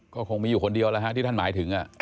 ก็คงไม่อยู่คนเดียวเลยครับที่ท่านหมายถึง